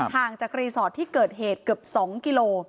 จากรีสอร์ทที่เกิดเหตุเกือบ๒กิโล